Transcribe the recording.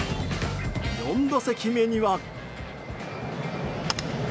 ４打席目には。